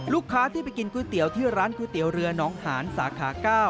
ลูกค้าที่ไปกินก๋วยเตี๋ยวที่ร้านก๋วยเตี๋ยวเรือน้องหานสาขา๙